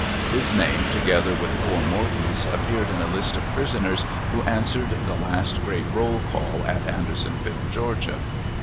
His name, together with poor Morton's, appeared in a list of prisoners who answered the last great roll call at Andersonville, Georgia.